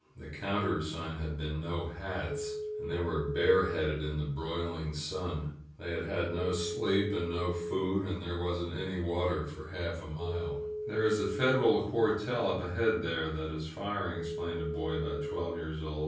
The countersign had been "no hats," and they were bare headed in the broiling sun. They had had no sleep and no food, and there wasn't any water for half a mile. "There is a Federal cuartel up ahead there that is CONTRERAS' MEN ASSAULT firing," explained a boy about twelve years old.